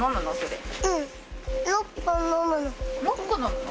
６個飲むの？